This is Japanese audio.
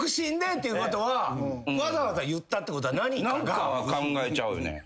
何かは考えちゃうよね。